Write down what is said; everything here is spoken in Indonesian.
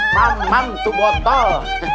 mamam tuh botol